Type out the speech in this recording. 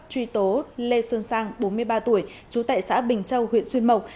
truy tố lê xuân sang bốn mươi ba tuổi trú tại xã bình châu huyện xuyên mộc